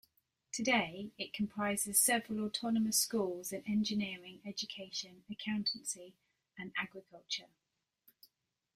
Today, it comprises several autonomous schools in engineering, education, accountancy, and agriculture.